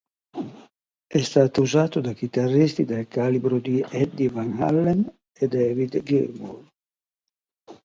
È stato usato da chitarristi del calibro di Eddie Van Halen e David Gilmour.